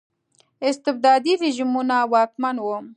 استبدادي رژیمونه واکمن وو.